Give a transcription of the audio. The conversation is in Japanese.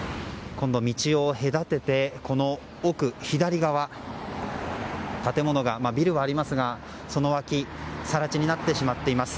今度、道を隔ててこの奥、左側建物がビルはありますが、その脇更地になってしまっています。